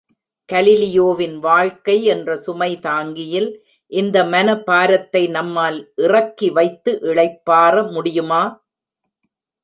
கலீலியோவின் வாழ்க்கை என்ற சுமைதாங்கியில் இந்த மன பாரத்தை நம்மால் இறக்கிவைத்து இளைப்பாற முடியுமா?